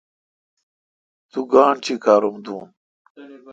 تو گاݨڈ چیکار ام دو۔